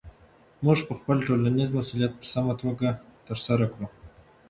موږ به خپل ټولنیز مسؤلیت په سمه توګه ترسره کړو.